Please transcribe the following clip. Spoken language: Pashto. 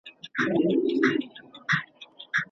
څنګه سوداګریز شرکتونه تازه میوه عربي هیوادونو ته لیږدوي؟